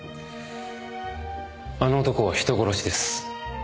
あの男は人殺しです。